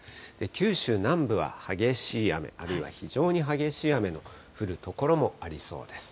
九州南部は激しい雨、あるいは非常に激しい雨の降る所もありそうです。